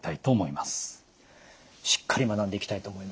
しっかり学んでいきたいと思います。